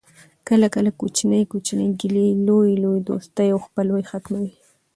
کله کله کوچنۍ کوچنۍ ګیلې لویي لویي دوستۍ او خپلوۍ ختموي